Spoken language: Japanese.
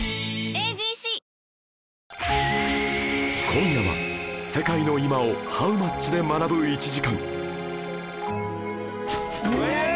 今夜は世界の今を「ハウマッチ？」で学ぶ１時間えーっ！